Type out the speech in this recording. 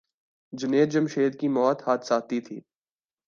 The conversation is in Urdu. جنید جمشید کی موت حادثاتی تھی۔